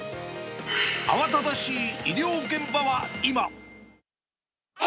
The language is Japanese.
慌ただしい医療現場は今。